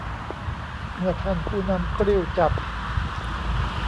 เมื่อท่านผู้นำกริ้วจัด